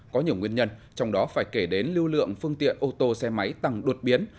có nhiều nguyên nhân trong đó phải kể đến lưu lượng phương tiện ô tô xe máy tăng đột biến